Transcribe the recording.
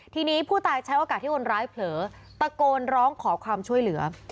ทีนี้ผู้ตายใช้โอกาสที่คนร้ายเผลอตะโกนร้องขอความช่วยเหลือ